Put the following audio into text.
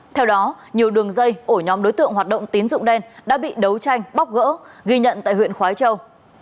theo đó nhiều đường dây ổ nhóm đối tượng hoạt động tín dụng đen đã bị đấu tranh bóc gỡ ghi nhận tại huyện khói châu